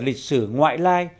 lịch sử ngoại lai